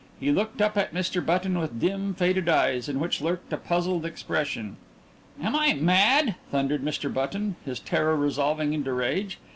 He looked up at Mr. Button with dim, faded eyes in which lurked a puzzled question. "Am I mad?" thundered Mr. Button, his terror resolving into rage.